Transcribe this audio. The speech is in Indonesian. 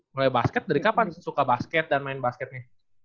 mulai basket dari kapan suka basket dan main basketnya